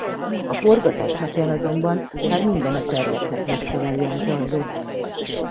A forgatás napján azonban már minden a terveknek megfelelően zajlott.